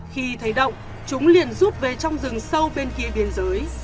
khi thấy động chúng liền rút về trong rừng sâu bên kia biên giới